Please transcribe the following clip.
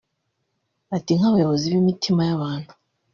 Ati “Nk’abayobozi b’imitima y’abantu